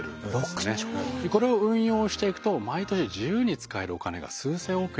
これを運用していくと毎年自由に使えるお金が数千億円出てくるんです。